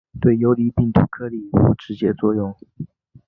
对游离病毒颗粒无直接作用。